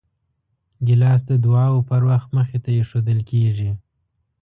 ګیلاس د دعاو پر وخت مخې ته ایښودل کېږي.